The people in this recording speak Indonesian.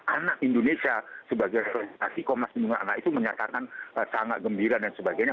anak indonesia sebagai seorang asli komnas pelindungan anak itu menyatakan sangat gembira dan sebagainya